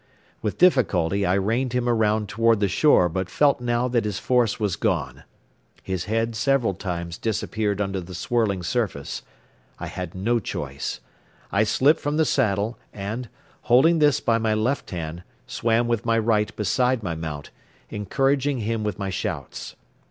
With difficulty I reined him around toward the shore but felt now that his force was gone. His head several times disappeared under the swirling surface. I had no choice. I slipped from the saddle and, holding this by my left hand, swam with my right beside my mount, encouraging him with my shouts.